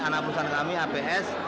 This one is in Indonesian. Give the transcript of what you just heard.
anak pusat kami aps